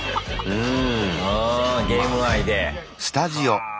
うん。